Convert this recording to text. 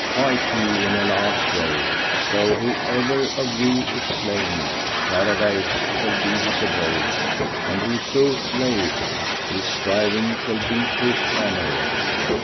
Fight ye in Allah's way; so whoever of you is slain Paradise shall be his abode, and whoso slayeth, his striving shall be to his honour."